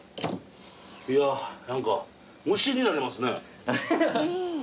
いや何か無心になりますね。